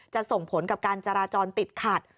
ส่งผลกับการจราจรติดขัด